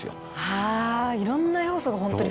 あいろんな要素がホントに。